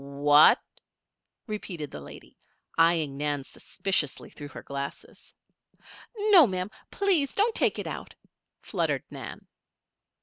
"What?" repeated the lady, eyeing Nan suspiciously through her glasses. "No, ma'am! please don't take it out," fluttered Nan.